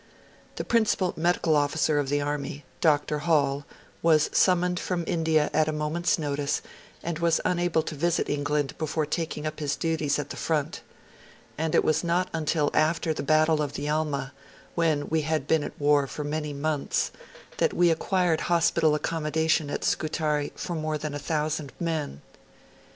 The principal medical officer of the Army, Dr. Hall, was summoned from India at a moment's notice, and was unable to visit England before taking up his duties at the front. And it was not until after the battle of the Alma, when we had been at war for many months, that we acquired hospital accommodations at Scutari for more than a thousand men.